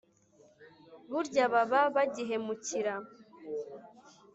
burya baba bagihemukira